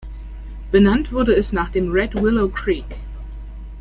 Benannt wurde es nach dem Red Willow Creek.